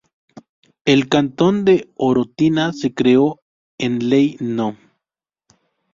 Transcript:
El cantón de Orotina se creó en Ley No.